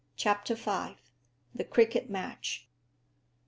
CHAPTER V. THE CRICKET MATCH.